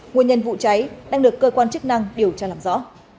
nguyên nhân vụ cháy đang được cơ quan chức năng điều tra làm rõ